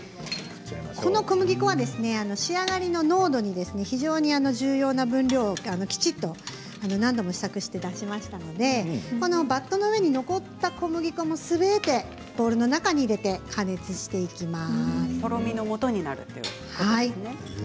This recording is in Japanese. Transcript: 小麦粉は仕上がりの濃度に非常に重要な分量きちんと何度も試作して出しましたのでバットの上に残った小麦粉もすべてボウルの中に入れて加熱をしていきます。